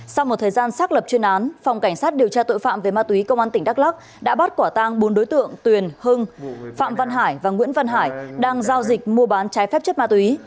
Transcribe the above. sau một thời gian xác lập chuyên án phòng cảnh sát điều tra tội phạm về ma túy công an tỉnh đắk lắc đã bắt quả tang bốn đối tượng tuyền hưng phạm văn hải và nguyễn văn hải đang giao dịch mua bán trái phép chất ma túy